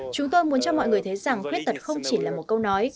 chúng tôi muốn cho mọi người thấy rằng khuyết tật không chỉ là một câu nói